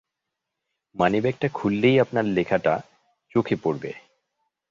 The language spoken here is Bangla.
মানিব্যাগটা খুললেই আপনার লেখাটা চোখে পড়বে।